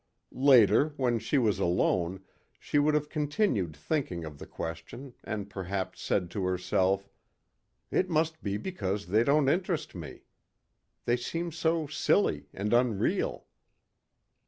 Later when she was alone she would have continued thinking of the question and perhaps said to herself, "It must be because they don't interest me. They seem so silly and unreal."